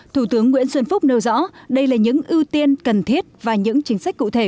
thủ tướng nguyễn xuân phúc nêu rõ đây là những ưu tiên cần thiết và những chính sách cụ thể